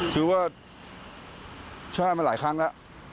คือว่าใช่มาหลายครั้งแล้ว